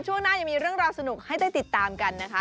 ช่วงหน้ายังมีเรื่องราวสนุกให้ได้ติดตามกันนะคะ